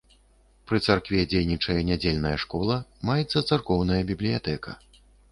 Пры царкве дзейнічае нядзельная школа, маецца царкоўная бібліятэка.